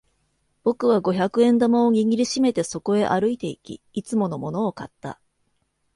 僕は五百円玉を握り締めてそこへ歩いていき、いつものものを買った。